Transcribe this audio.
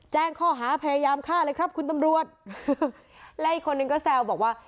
แจ้งข้อหาพยายามฆ่าเลยครับคุณตำรวจและอีกคนนึงก็แซวบอกว่า